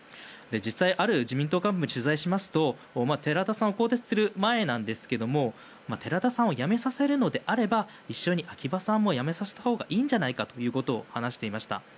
実際ある自民党幹部に取材しますと寺田さんを更迭する前なんですが寺田さんを辞めさせるのであれば一緒に秋葉さんも辞めさせたほうがいいのではと話していました。